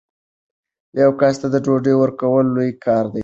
یو کس ته ډوډۍ ورکول لوی کار دی.